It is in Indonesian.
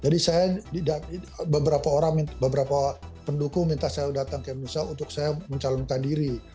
jadi saya beberapa pendukung minta saya datang ke indonesia untuk saya mencalonkan diri